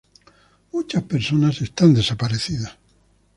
Muchas personas están desaparecidas.